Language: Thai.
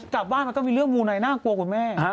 กลับบ้านมันก็มีเรื่องมูไนน่ากลัวคุณแม่